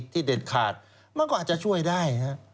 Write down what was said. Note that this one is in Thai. เด็ดขาดมันก็อาจจะช่วยได้